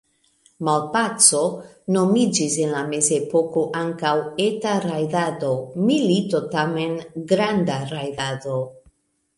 Malpaco nomiĝis en la mezepoko ankaŭ „eta rajdado“, milito tamen „granda rajdado“.